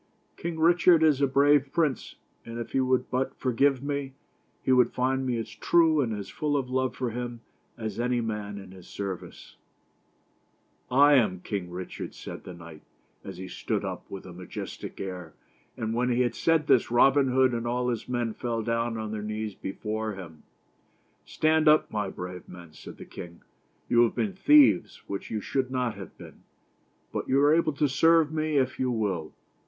King Richard is a brave prince, and if he would but forgive me, he would find me as true, and as full of love for him, as any man in his service." 222 THE STORY OF ROBIN HOOF. " I am King Richard," said the knight, as he stood up with a majestic air ; and when he had said this, Robin Hood and all his men fell down on their knees before him. "Stand up, my brave men," said the king. "You have been thieves, which you should not have been, but you are able to serve me if you will.